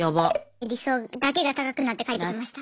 理想だけが高くなって帰ってきました。